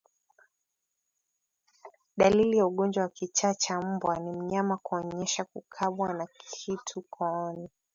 Dalili ya ugonjwa wa kichaa cha mbwa ni mnyama kuonyesha kukabwa na kitu kooni